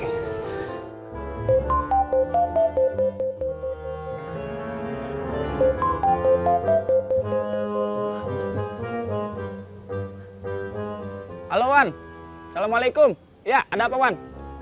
halo wan assalamualaikum ya ada apa wan